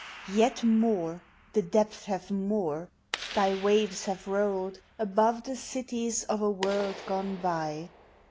Yet more, the depths have mere' thj WHY ha*6 rolled Above the cities of n world pone bj